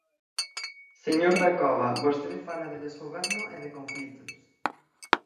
Señor Dacova, vostede fala de desgoberno e de conflitos.